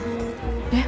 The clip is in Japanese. えっ？